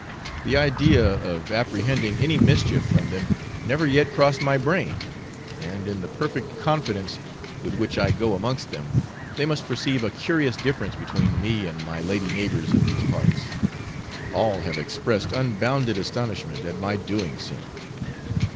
The idea of apprehending any mischief from them never yet crossed my brain; and in the perfect confidence with which I go amongst them, they must perceive a curious difference between me and my lady neighbours in these parts; all have expressed unbounded astonishment at my doing so.